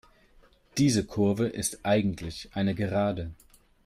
Diese Kurve ist eigentlich eine Gerade.